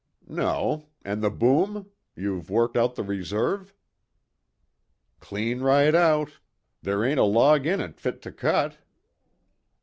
"No. And the boom? You've worked out the 'reserve'?" "Clean right out. Ther' ain't a log in it fit to cut."